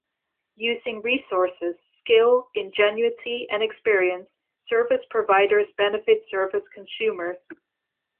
Using resources, skill, ingenuity, and experience, service providers benefit service consumers.